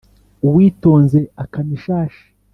Uwitonze akama ishashi.